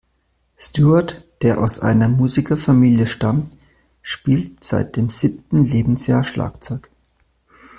Stewart, der aus einer Musikerfamilie stammt, spielt seit dem siebten Lebensjahr Schlagzeug.